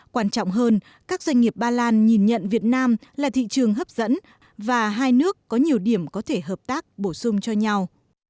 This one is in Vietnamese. quan trọng hơn các doanh nghiệp ba lan nhìn nhận việt nam là thị trường hấp dẫn và hai nước có nhiều điểm có thể hợp tác bổ sung cho nhau